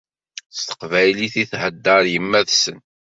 S teqbaylit i theddeṛ yemma-tsen.